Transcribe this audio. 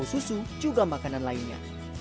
susu juga makanan lainnya